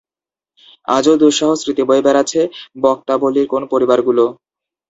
আজও দুঃসহ স্মৃতি বয়ে বেড়াচ্ছে বক্তাবলীর কোন পরিবারগুলো?